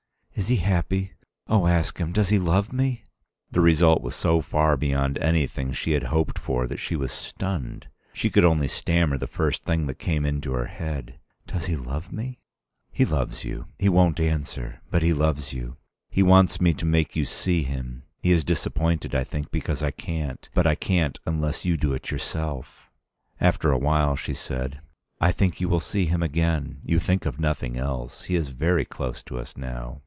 "Is he happy? Oh, ask him does he love me?" The result was so far beyond anything she had hoped for that she was stunned. She could only stammer the first thing that came into her head. "Does he love me?" "He loves you. He won't answer, but he loves you. He wants me to make you see him; he is disappointed, I think, because I can't. But I can't unless you do it yourself." After a while she said: "I think you will see him again. You think of nothing else. He is very close to us now."